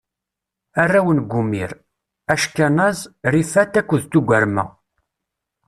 Arraw n Gumir: Ackanaz, Rifat akked Tugarma.